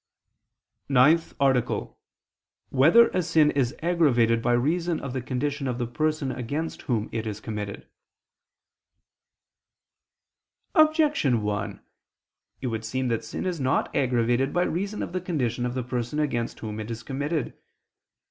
________________________ NINTH ARTICLE [I II, Q. 73, Art. 9] Whether a Sin Is Aggravated by Reason of the Condition of the Person Against Whom It Is Committed? Objection 1: It would seem that sin is not aggravated by reason of the condition of the person against whom it is committed.